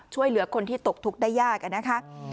ช่วยเหลือคนที่ตกทุกข์ได้ยากนะคะ